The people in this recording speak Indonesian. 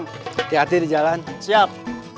hati hati dijalan siap